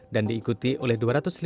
dan diikuti oleh